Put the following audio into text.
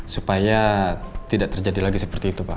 supaya tidak terjadi lagi seperti itu pak